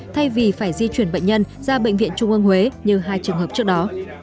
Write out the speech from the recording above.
thay vì phải di chuyển bệnh nhân ra bệnh viện trung ương huế như hai trường hợp trước đó